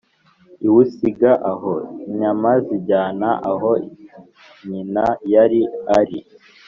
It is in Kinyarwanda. iwusiga aho, inyama izijyana aho nyina yari ari.